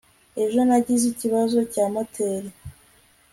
ejo nagize ikibazo cya moteri